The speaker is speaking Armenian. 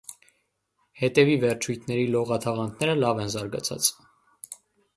Հետևի վերջույթների լողաթաղանթները լավ են զարգացած։